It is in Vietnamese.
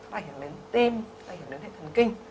phải hiển đến tim phải hiển đến hệ thần kinh